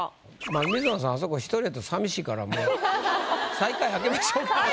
水野さんあそこ１人やったらさみしいからもう最下位開けましょうか。